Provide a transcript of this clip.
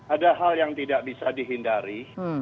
ada hal yang tidak bisa dihindari